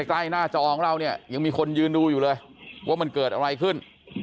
ใกล้หน้าจอของเราเนี่ยยังมีคนยืนดูอยู่เลยว่ามันเกิดอะไรขึ้น